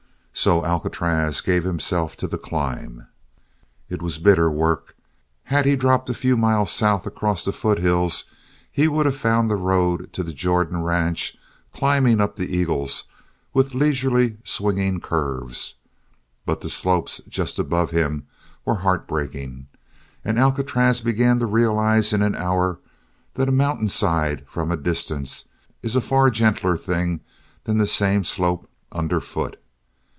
So Alcatraz gave himself to the climb. It was bitter work. Had he dropped a few miles south across the foothills he would have found the road to the Jordan ranch climbing up the Eagles with leisurely swinging curves, but the slopes just above him were heart breaking, and Alcatraz began to realize in an hour that a mountainside from a distance is a far gentler thing than the same slope underfoot.